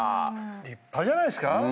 立派じゃないですか？